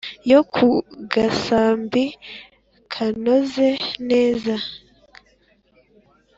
yo ku gasambi kanoze neza